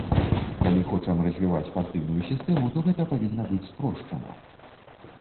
Калі хочам развіваць партыйную сістэму, то гэта павінна быць спрошчана!